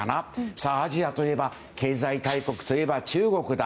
さあ、アジアといえば経済大国といえば中国だ。